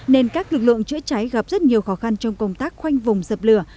nên các lực lượng chữa cháy gặp rất nhiều khó khăn trong công tác khoanh vùng dập lửa